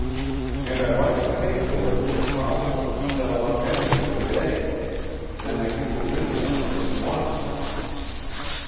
"And I'd like to pay for it if possible and settle up everything to day. Then I could move into the house at once."